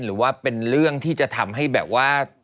หรือว่าเป็นเรื่องที่จะทำให้แบบว่า